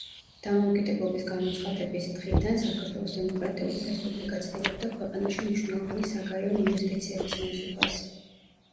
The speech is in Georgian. დამოუკიდებლობის გამოცხადების დღიდან საქართველოს დემოკრატიული რესპუბლიკა ცდილობდა ქვეყანაში მნიშვნელოვანი საგარეო ინვესტიციების მოზიდვას.